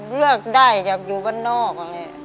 เลือกได้อยากอยู่บ้านนอก